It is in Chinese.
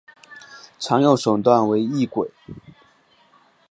常用手段为异轨。